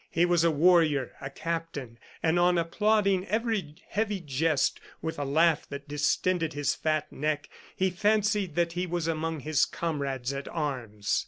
He was a warrior, a captain, and on applauding every heavy jest with a laugh that distended his fat neck, he fancied that he was among his comrades at arms.